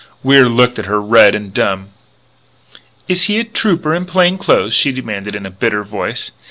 Wier looked at her, red and dumb. "Is he a Trooper in plain clothes?" she demanded in a bitter voice.